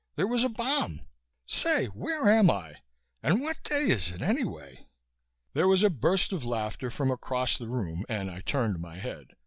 There was a bomb.... Say, where am I and what day is it anyway?" There was a burst of laughter from across the room and I turned my head.